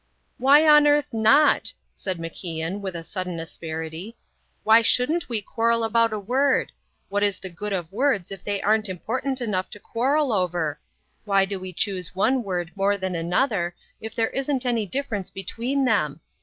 "Why on earth not?" said MacIan, with a sudden asperity. "Why shouldn't we quarrel about a word? What is the good of words if they aren't important enough to quarrel over? Why do we choose one word more than another if there isn't any difference between them?